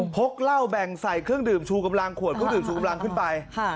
กเหล้าแบ่งใส่เครื่องดื่มชูกำลังขวดเครื่องดื่มชูกำลังขึ้นไป